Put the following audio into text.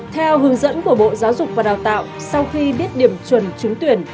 theo hướng dẫn của bộ giáo dục và đào tạo sau khi biết điểm chuẩn trúng tuyển